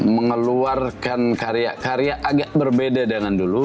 mengeluarkan karya karya agak berbeda dengan dulu